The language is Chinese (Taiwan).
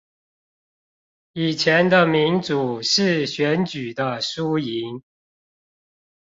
以前的民主是選舉的輸贏